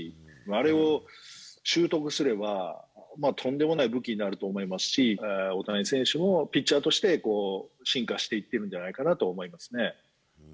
あれを習得すれば、とんでもない武器になると思いますし、大谷選手もピッチャーとして、進化していっているんじゃないかなと思いますね。